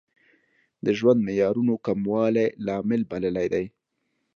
د ژوند معیارونو کموالی لامل بللی دی.